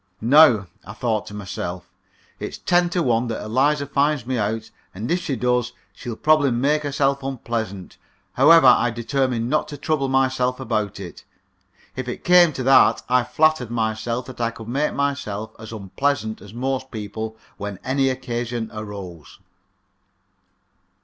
"Now," I thought to myself, "it's ten to one that Eliza finds me out, and if she does, she'll probably make herself unpleasant." However, I determined not to trouble myself about it. If it came to that, I flattered myself that I could make myself as unpleasant as most people when any occasion arose.